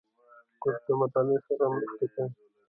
کورس د مطالعې سره مرسته کوي.